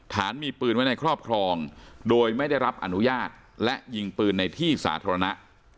ฐานมีปืนไว้ในครอบครองโดยไม่ได้รับอนุญาตและยิงปืนในที่สาธารณะ